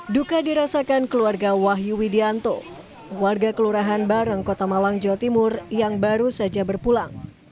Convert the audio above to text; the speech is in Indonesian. duka dirasakan keluarga wahyu widianto warga kelurahan bareng kota malang jawa timur yang baru saja berpulang